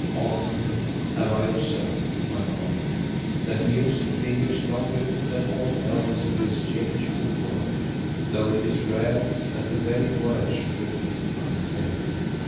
Often have I observed, my Holly, that music lingers longer than aught else in this changeful world, though it is rare that the very words should remain unvaried.